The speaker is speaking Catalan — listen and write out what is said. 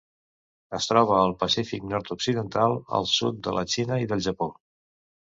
Es troba al Pacífic nord-occidental: el sud de la Xina i del Japó.